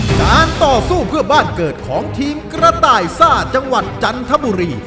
การต่อสู้เพื่อบ้านเกิดของทีมกระต่ายซ่าจังหวัดจันทบุรี